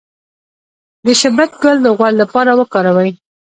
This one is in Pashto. د شبت ګل د غوړ لپاره وکاروئ